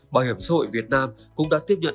bảo hiểm dội việt nam cũng đã tiếp nhận